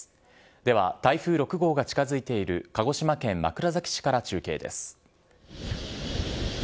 では、台風６号が近づいている鹿児島県枕崎市から中継です。